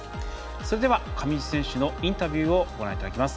それでは上地選手のインタビューご覧いただきます。